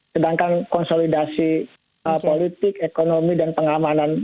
sedangkan konsolidasi politik ekonomi dan pengamanan